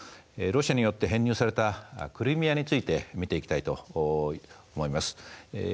ロシアによって編入されたクリミアについて見ていきたいと思います。